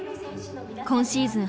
今シーズン